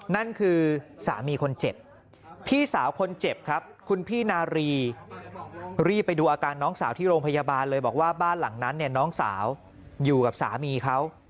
นั่นคือสามีคนเจ็บพี่สาวคนเจ็บครับคุณพี่นารีรีบไปดูอาการน้องสาวที่โรงพยาบาลเลยบอกว่าบ้านหลังนั้นเนี่ยน้องสาวอยู่กับสามีเขา